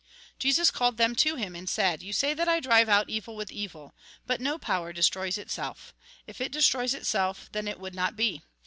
Jesus called them to him, and said :" You say that I drive out evil with evil. But no power destroys itself. If it destroys itself, then it would not be.